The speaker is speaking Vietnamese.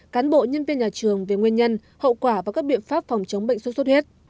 cán bộ nhân viên nhà trường về nguyên nhân hậu quả và các biện pháp phòng chống bệnh xuất xuất huyết